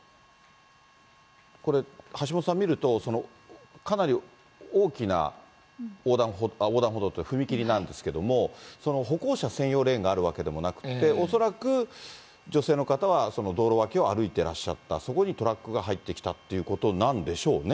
これ、橋下さん、見るとかなり大きな踏切なんですけども、歩行者専用レーンがあるわけでもなくて、恐らく女性の方はその道路脇を歩いていらっしゃった、そこにトラックが入ってきたということなんでしょうね。